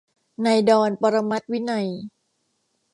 นายดอน ปรมัตถ์วินัย